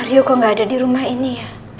mario kok gak ada di rumah ini ya